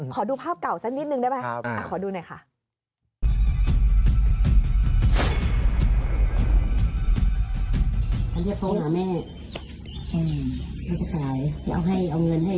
ขอดูภาพเก่าสักนิดนึงได้ไหมขอดูหน่อยค่ะ